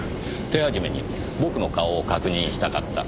手始めに僕の顔を確認したかった。